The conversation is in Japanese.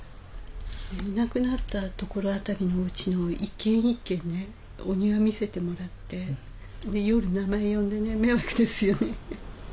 いなくなった所辺りのおうちの一軒一軒ねお庭見せてもらって夜名前呼んでね迷惑ですよね。